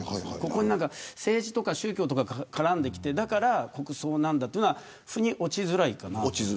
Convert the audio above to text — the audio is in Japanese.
ここに政治や宗教とかが絡んできてだから国葬なんだというのはふに落ちづらいかなと。